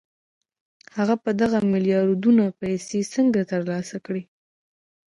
هغه به دغه ميلياردونه پيسې څنګه ترلاسه کړي؟